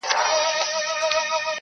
• حساب ښه دی پر قوت د دښمنانو -